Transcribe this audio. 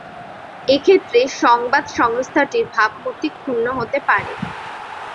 এক্ষেত্রে সংবাদ সংস্থাটির ভাবমূর্তি ক্ষুণ্ণ হতে পারে।